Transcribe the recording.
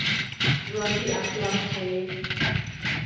ژوندي اخلاق ښيي